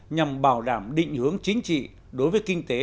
nhằm bảo đảm định hướng chính trị đối với kinh tế